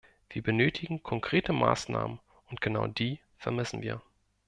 Wir benötigen konkrete Maßnahmen, und genau die vermissen wir.